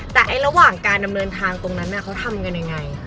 แต่ระหว่างการดำเนินทางตรงนั้นเขาทำกันยังไง